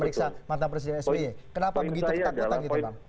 kenapa begitu ketakutan gitu bang